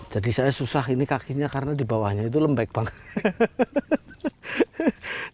saya susah ini kakinya karena di bawahnya itu lembek banget